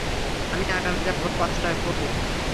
আমি আগামীকাল ভোর পাঁচটায় পড়ব।